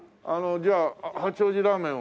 じゃあ八王子ラーメンを。